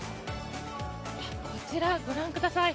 こちら、ご覧ください。